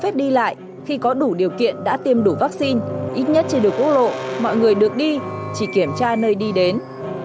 tại khi có đủ điều kiện đã tiêm đủ vaccine ít nhất trên đường quốc lộ mọi người được đi chỉ kiểm tra nơi đi đến